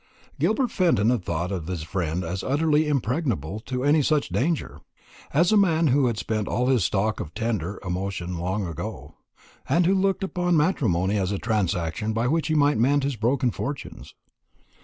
Gilbert Fenton had thought of his friend as utterly impregnable to any such danger; as a man who had spent all his stock of tender emotion long ago, and who looked upon matrimony as a transaction by which he might mend his broken fortunes.